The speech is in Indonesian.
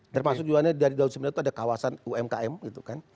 termasuk juga dari tahun sembilan puluh itu ada kawasan umkm gitu kan